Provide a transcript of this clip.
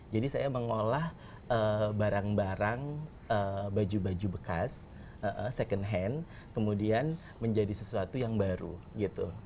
jadi saya mengolah barang barang baju baju bekas second hand kemudian menjadi sesuatu yang baru gitu